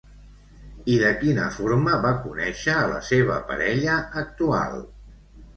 I de quina forma va conèixer a la seva parella actual?